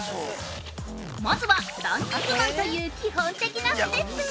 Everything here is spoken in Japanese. まずはランニングマンという基本的なステップ。